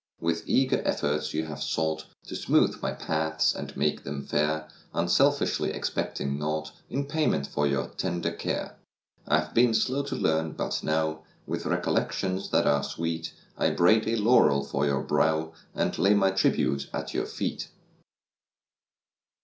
% W ITH eager efforts you Have sougkt To smootk my paths and make them fair, Unselfiskly expect 5 mg naugkt In payment for your tender care. I have been slow to learn, but now, With recollections ■ that are sweet, I braid a laurel for your brow And lay my tribute at your eet.